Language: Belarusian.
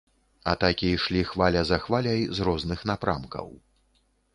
Атакі ішлі хваля за хваляй з розных напрамкаў.